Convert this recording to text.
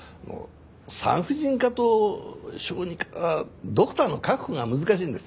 産婦人科と小児科はドクターの確保が難しいんです。